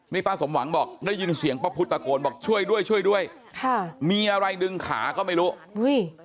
นี่ป้าสมหวังบอกได้ยินเสียงป้าพุทธตะโกนบอกช่วยด้วยช่วยด้วยค่ะมีอะไรดึงขาก็ไม่รู้อุ้ย